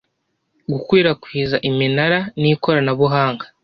gukwirakwiza iminara n'ikoranabuhanga